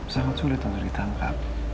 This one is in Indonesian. sangat sulit untuk ditangkap